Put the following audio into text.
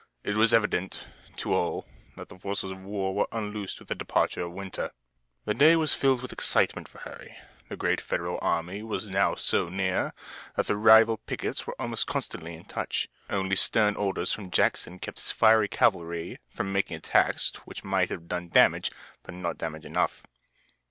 It was evident to all that the forces of war were unloosed with the departure of winter. The day was filled with excitement for Harry. The great Federal army was now so near that the rival pickets were almost constantly in touch. Only stern orders from Jackson kept his fiery cavalry from making attacks which might have done damage, but not damage enough.